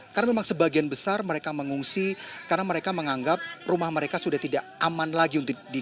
karena memang sebagian besar mereka mengungsi karena mereka menganggap rumah mereka sudah tidak aman lagi